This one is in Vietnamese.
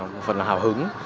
một phần là hào hứng